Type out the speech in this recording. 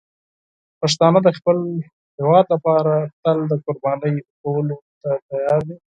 پښتانه د خپل هېواد لپاره همیشه د قربانی ورکولو ته تیار دي.